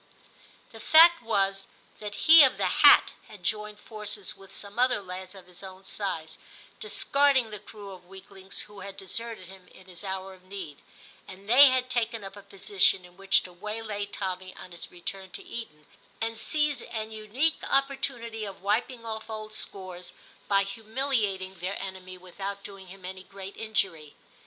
The fact was that he of the hat had joined forces with some other lads of his own size, discarding the crew of weaklings who had deserted him in his hour of need, and they had taken up a position in which to waylay Tommy on his return to Eton, and seize an unique opportunity of wiping off old scores by humiliating their enemy without doing him any great injury.